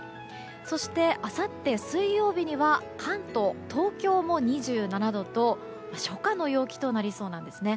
そして、あさって水曜日には関東、東京も２７度と初夏の陽気となりそうなんですね。